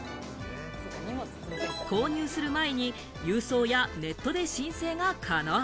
購入する前に郵送やネットで申請が可能。